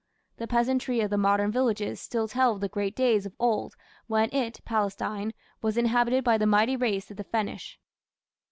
The peasantry of the modern villages ... still tell of the great days of old when it (Palestine) was inhabited by the mighty race of the 'Fenish'."